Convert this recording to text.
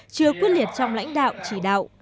chưa quyết liệt trong lãnh đạo chỉ đạo